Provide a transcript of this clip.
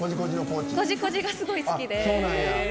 「コジコジ」がすごい好きで。